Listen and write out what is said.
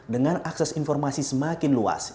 dengan akses informasi semakin luas